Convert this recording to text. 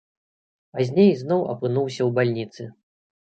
Пазней зноў апынуўся ў бальніцы.